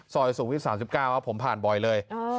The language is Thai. ซอยสูงวิท๓๙ผมผ่านบ่อยเลย